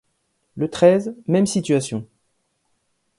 Le treize, même situation.